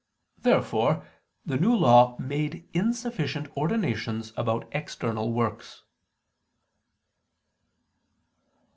Therefore the New Law made insufficient ordinations about external works.